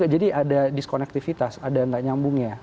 jadi ada diskonektivitas ada yang nggak nyambungnya